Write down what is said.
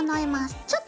ちょっとね